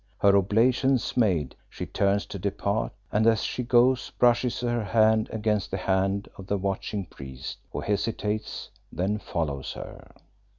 Her oblations made, she turns to depart, and as she goes brushes her hand against the hand of the watching priest, who hesitates, then follows her.